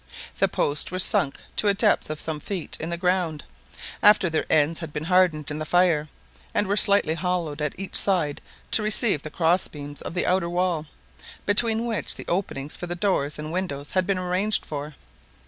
The posts were sunk to a depth of some feet in the ground, after their ends had been hardened in the fire; and were slightly hollowed at each side to receive the crossbeams of the outer wall, between which the openings for the doors and windows had been arranged for.